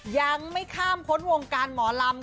ยังไม่ข้ามพ้นวงการหมอลำ